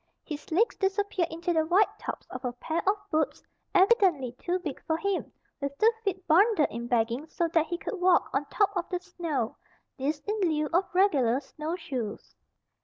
His legs disappeared into the wide tops of a pair of boots evidently too big for him, with the feet bundled in bagging so that he could walk on top of the snow, this in lieu of regular snowshoes.